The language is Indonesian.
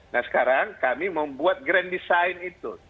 nah sekarang kami membuat grand design itu